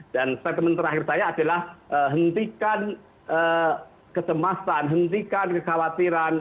dan statement terakhir saya adalah hentikan ketemasan hentikan kekhawatiran